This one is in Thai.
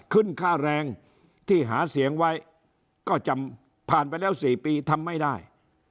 ขึ้นค่าแรงที่หาเสียงไว้ก็จะผ่านไปแล้ว๔ปีทำไม่ได้